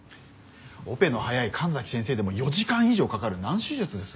オペの速い神崎先生でも４時間以上かかる難手術です。